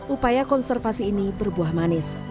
upaya konservasi ini berbuah manis